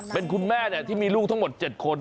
เป็นคุณแม่ที่มีลูกทั้งหมด๗คน